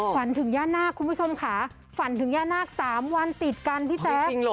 ฝันถึงย่านาคคุณผู้ชมค่ะฝันถึงย่านาค๓วันติดกันพี่แจ๊ค